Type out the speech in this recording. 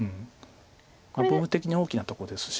部分的に大きなとこですし。